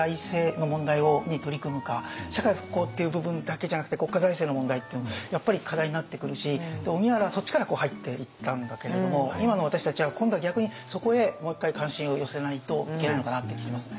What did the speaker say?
社会復興っていう部分だけじゃなくて国家財政の問題っていうのもやっぱり課題になってくるし荻原はそっちから入っていったんだけれども今の私たちは今度は逆にそこへもう一回関心を寄せないといけないのかなっていう気がしますね。